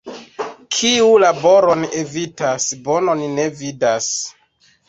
Kiu laboron evitas, bonon ne vidas.